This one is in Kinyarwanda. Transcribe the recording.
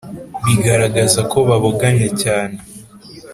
bigaragaza ko babogamye cyane